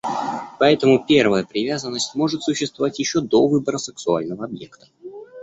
Поэтому первая привязанность может существовать еще до выбора сексуального объекта.